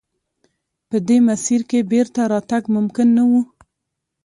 په دې مسیر کې بېرته راتګ ممکن نه و.